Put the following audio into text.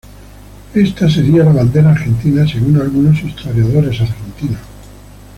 Esta sería la bandera argentina, según algunos historiadores argentinos.